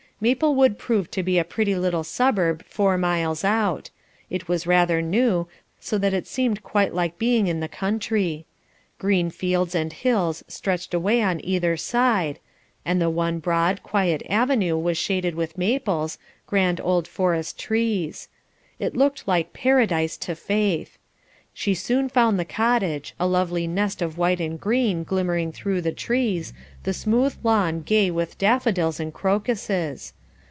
Maplewood proved to be a pretty little suburb four miles out; it was rather new, so that it seemed quite like being in the country. Green fields and hills stretched away on either side, and the one broad, quiet avenue was shaded with maples, grand old forest trees. It looked like Paradise to Faith. She soon found the cottage, a lovely nest of white and green glimmering through the trees, the smooth lawn gay with daffodils and crocuses.